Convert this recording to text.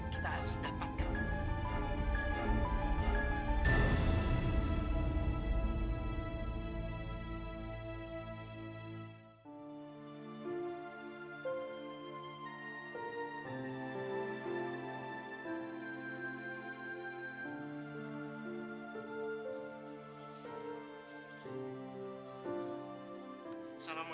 kita harus dapatkan itu